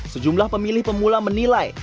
sejumlah pemilih pemula menilai